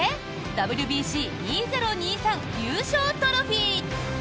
ＷＢＣ２０２３優勝トロフィー。